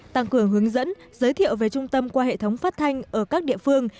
tăng cường hướng dẫn giới thiệu về trung tâm qua hệ thống phát thanh ở các địa phương